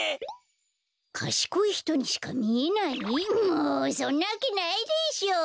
もうそんなわけないでしょ。